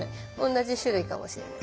同じ種類かもしれない。